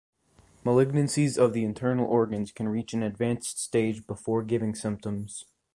Malignancies of the internal organs can reach an advanced stage before giving symptoms.